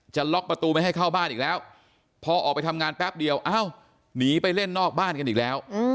ล็อกประตูไม่ให้เข้าบ้านอีกแล้วพอออกไปทำงานแป๊บเดียวเอ้าหนีไปเล่นนอกบ้านกันอีกแล้ว